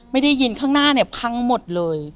ไม่ได้ยินข้างหน้าเนี่ยพังหมดเลย